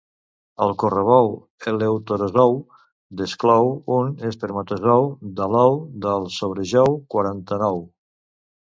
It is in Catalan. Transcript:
El correbou eleuterozou desclou un espermatozou de l'ou del sobre-jou quaranta-nou